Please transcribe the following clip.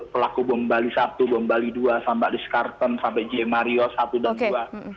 pelaku bombali i bombali ii sambaliskartan sampai j mario i dan ii